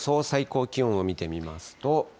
最高気温を見てみますと。